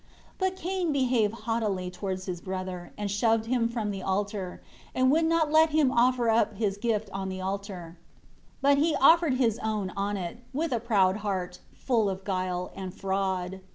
18 But Cain behaved haughtily towards his brother, and shoved him from the altar, and would not let him offer up his gift on the altar; but he offered his own on it, with a proud heart, full of guile, and fraud.